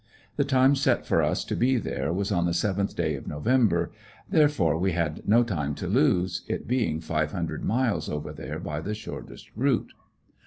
The time set for us to be there, was on the 7th day of November, therefore we had no time to lose, it being five hundred miles over there, by the shortest route.